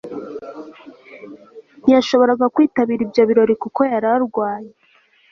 Ntiyashoboraga kwitabira ibyo birori kuko yari arwaye